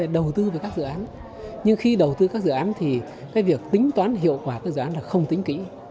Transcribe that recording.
đầu tư về các dự án nhưng khi đầu tư các dự án thì việc tính toán hiệu quả các dự án là không tính kỹ